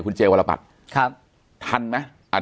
คุณเจวรบัตรทันไหม